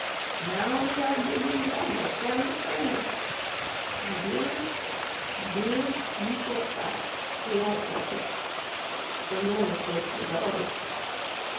"Now we are digging almost down to China. My dears, my dears, you thought that we all thought it. So your mistake was ours.